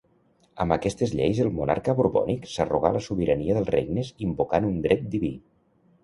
Amb aquestes lleis el monarca borbònic s'arrogà la sobirania dels regnes invocant un dret diví.